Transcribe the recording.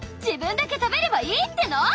自分だけ食べればいいっての？